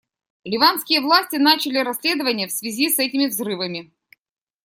Ливанские власти начали расследование в связи с этими взрывами.